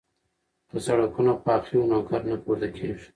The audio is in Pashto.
که سړکونه پاخه وي نو ګرد نه پورته کیږي.